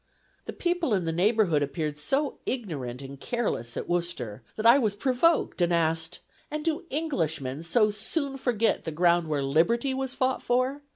The people in the neighborhood appeared so ignorant and careless at Worcester, that I was provoked, and asked, 'And do Englishmen so soon forget the ground where liberty was fought for?